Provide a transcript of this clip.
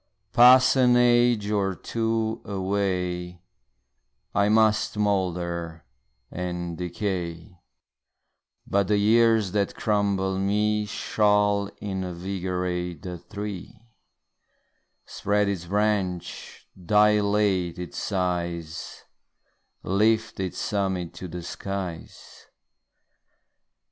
Pass an age or two away, I must moulder and decay, But the years that crumble me Shall invigorate the tree, Spread its branch, dilate its size, Lift its summit to the skies.